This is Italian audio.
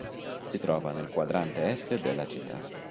Si trova nel quadrante est della città.